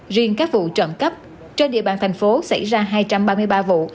riêng các vụ trụng cấp trên địa bàn tp hcm xảy ra hai trăm ba mươi ba vụ